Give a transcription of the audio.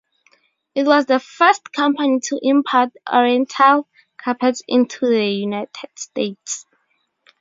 It was the first company to import oriental carpets into the United States.